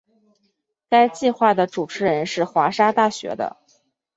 该计画的主持人是华沙大学的。